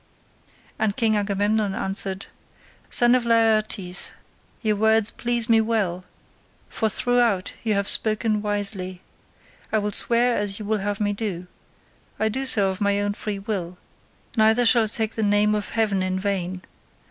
And King Agamemnon answered, "Son of Laertes, your words please me well, for throughout you have spoken wisely. I will swear as you would have me do; I do so of my own free will, neither shall I take the name of heaven in vain.